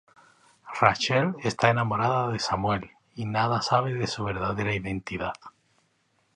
Rachel está enamorada de Samuel y nada sabe de su verdadera identidad.